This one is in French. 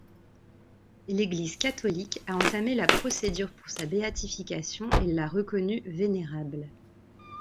L'Église catholique a entamé la procédure pour sa béatification et l'a reconnu vénérable.